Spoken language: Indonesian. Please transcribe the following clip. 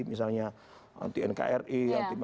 misalnya di nkri